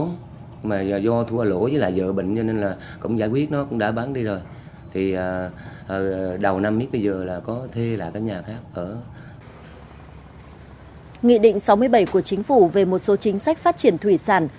nghị định sáu mươi bảy của chính phủ về một số chính sách phát triển thủy sản